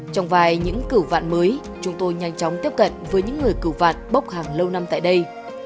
trong vài những cửu vạn mới chúng tôi nhanh chóng tiếp cận với những người cử vạn bốc hàng lâu năm tại đây